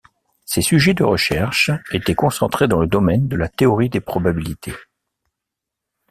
Ses sujets de recherche étaient concentrés dans le domaine de la théorie des probabilités.